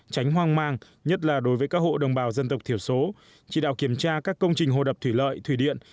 tránh hoang mang nhất là đối với các hộ đồng bào dân tộc thiểu số chỉ đạo kiểm tra các công trình hồ đập thủy lợi thủy điện